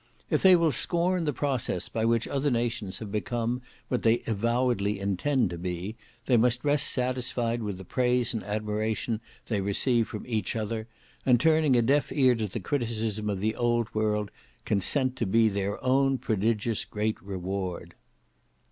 If they will scorn the process by which other nations have become what they avowedly intend to be, they must rest satisfied with the praise and admiration they receive from each other; and turning a deaf ear to the criticism of the old world, consent to be their own prodigious great reward."